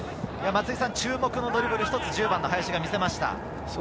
注目のドリブルの一つ、１０番の林が見せました。